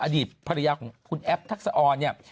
อดีตภรรยาของคุณแอปทักษะออนเนี่ย